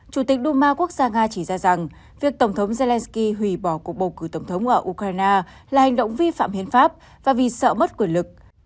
chủ tịch duma quốc gia nga chỉ ra rằng việc tổng thống zelensky hủy bỏ cuộc bầu cử tổng thống ở ukraine là hành động vi phạm hiến pháp và vì sợ mất quyền lực